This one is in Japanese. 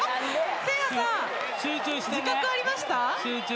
せいやさん自覚ありました？